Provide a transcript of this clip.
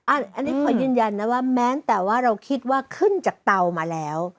อันนี้ขอยืนยันนะว่าแม้แต่ว่าเราคิดว่าขึ้นจากเตามาแล้ว